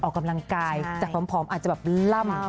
ออกกำลังกายจากผอมอาจจะแบบล่ำ